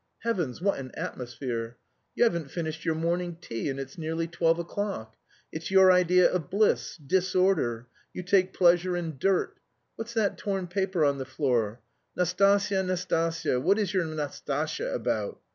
Heavens, what an atmosphere! You haven't finished your morning tea and it's nearly twelve o'clock. It's your idea of bliss disorder! You take pleasure in dirt. What's that torn paper on the floor? Nastasya, Nastasya! What is your Nastasya about?